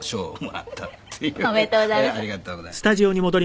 「ありがとうございます」